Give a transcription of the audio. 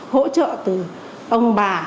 hỗ trợ từ ông bà